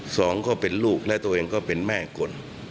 สองก็เป็นลูกและตัวเองก็เป็นแม่คน